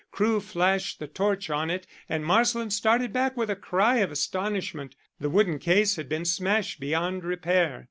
Crewe flashed the torch on it, and Marsland started back with a cry of astonishment. The wooden case had been smashed beyond repair.